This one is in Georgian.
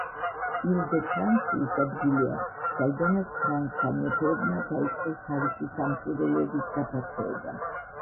ილ დე ფრანსი ის ადგილია, საიდანაც ფრანკთა მეფეებმა დაიწყეს თავისი სამფლობელოების გაფართოება.